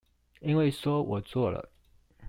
因為說我做了